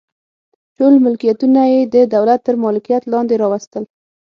ټول ملکیتونه یې د دولت تر مالکیت لاندې راوستل.